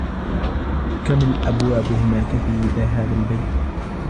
كم الأبواب هناك في هذا البيت ؟